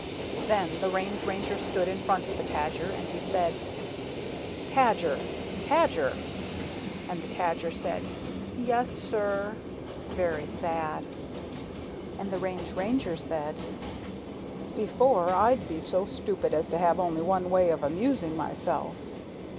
Then the Range Ranger stood in front of the Tadger, and he said, "Tajer! Tajerl" And the Tadger said, "Yes, sir!" very sad. And the Range Ranger said, " Before Pd be so stupid as to have only one way of amusing myself!!"